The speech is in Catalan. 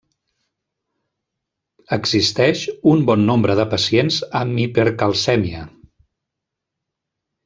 Existeix un bon nombre de pacients amb hipercalcèmia.